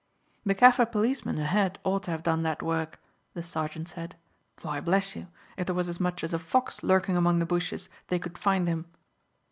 "The Kaffir policemen ahead ought to have done that work," the sergeant said. "Why, bless you, if there was as much as a fox lurking among the bushes they could find him."